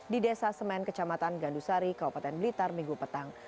di desa semen kecamatan gandusari kabupaten blitar minggu petang